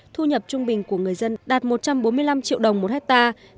thu nhập trung bình của người dân đạt một trăm bốn mươi năm triệu đồng một hectare